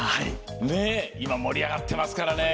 今盛り上がってますからね。